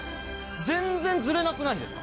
全然ズレなくないですか？